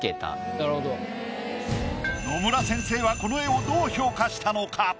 野村先生はこの絵をどう評価したのか？